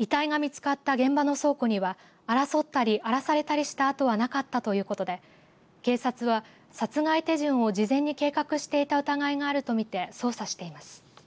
遺体が見つかった現場の倉庫には争ったり荒らされたりした跡はなかったということで警察は、殺害手順を事前に計画していた疑いがあると見て捜査しています。